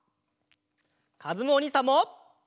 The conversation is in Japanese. かずむおにいさんも。